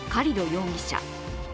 容疑者